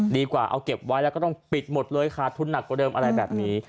ดีกว่าเอาเก็บไว้แล้วก็ต้องปิดหมดเลยขาดทุนหนักกว่าเดิมอะไรแบบนี้